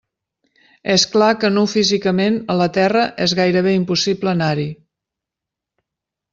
És clar que nu físicament, a la Terra, és gairebé impossible anar-hi.